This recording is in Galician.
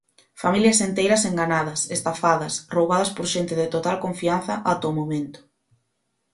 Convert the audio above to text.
Familias enteiras enganadas, estafadas, roubadas por xente de total confianza ata o momento.